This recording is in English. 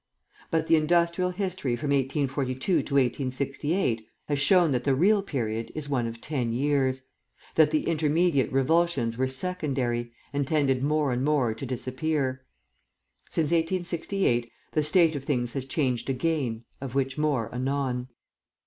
But the industrial history from 1842 to 1868 has shown that the real period is one of ten years; that the intermediate revulsions were secondary, and tended more and more to disappear. Since 1868 the state of things has changed again, of which more anon.